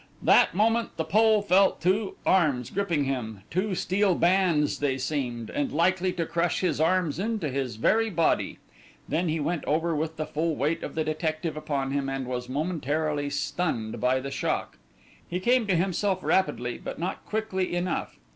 That moment the Pole felt two arms gripping him, two steel bands they seemed, and likely to crush his arms into his very body. Then he went over with the full weight of the detective upon him, and was momentarily stunned by the shock. He came to himself rapidly, but not quickly enough.